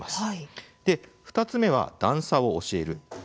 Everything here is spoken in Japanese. ２つ目は段差を教える。